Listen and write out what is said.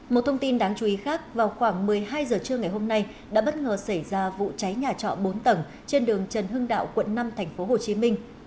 một thông tin đáng chú ý khác vào khoảng một mươi hai h trưa ngày hôm nay đã bất ngờ xảy ra vụ cháy nhà trọ bốn tầng trên đường trần hưng đạo quận năm tp hcm